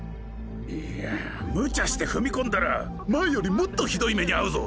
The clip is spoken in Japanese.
いやぁむちゃしてふみこんだら前よりもっとひどい目にあうぞ！